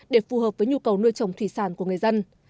để phù hợp với nhu cầu nuôi trồng thủy sản của người dân